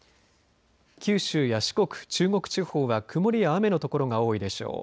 九州や四国、中国地方は曇りや雨の所が多いでしょう。